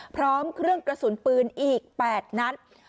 พร้อมเครื่องกระสุนปืนอีก๘นัด